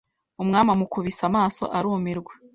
Umwami amukubise amaso arumirwa